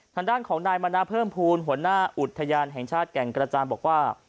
ทางด้านของนายมณะเพิ่มภูมิหัวหน้าอุทยานแห่งชาติแก่งกระจานบอกว่า